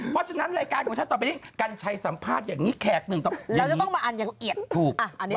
เร็ววันนี้รัฐมนตรีสมศักดีเทียบสุทธิน